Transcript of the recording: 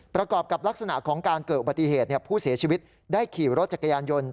ประกอบกับลักษณะของการเกิดอุบัติเหตุผู้เสียชีวิตได้ขี่รถจักรยานยนต์